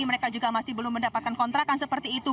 mereka juga masih belum mendapatkan kontrakan seperti itu